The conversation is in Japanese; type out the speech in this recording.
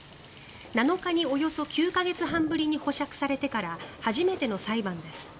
７日におよそ９か月半ぶりに保釈されてから初めての裁判です。